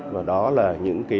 và đó là những điểm khởi sát